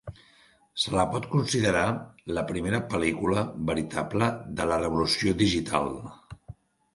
Se la pot considerar la primera pel·lícula veritable de la revolució digital.